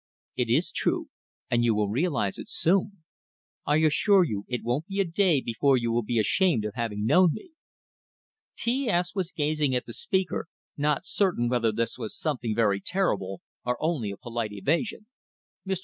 "It is true, and you will realize it soon. I assure you, it won't be a day before you will be ashamed of having known me." T S was gazing at the speaker, not certain whether this was something very terrible, or only a polite evasion. "Mr.